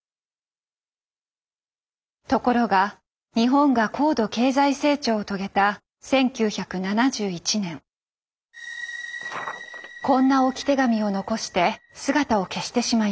ところが日本が高度経済成長を遂げた１９７１年こんな置き手紙を残して姿を消してしまいます。